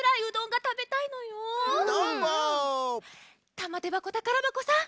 たまてばこたからばこさん